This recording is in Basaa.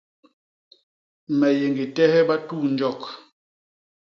Me yé ñgi tehe bantunjok.